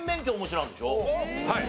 はい。